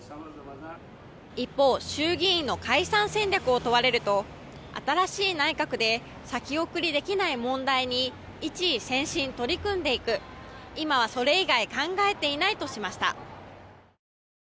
一方衆議院の解散戦略を問われると新しい内閣で先送りできない問題に一意専心取り組んでいく今はそれ以外考えていないとしました。